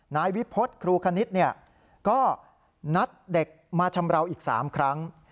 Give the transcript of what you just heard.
นายวิฟทธ์ครูขนิษย์ก็นัดเด็กมาชำระอีก๓ครั้ง